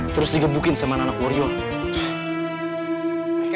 terus digebukin sama anak warrior